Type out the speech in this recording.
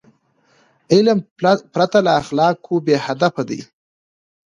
علم پرته له اخلاقو بېهدفه دی.